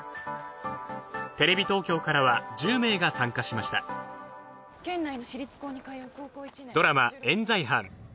テレビ東京からは１０名が参加しましたドラマ『冤罪犯』。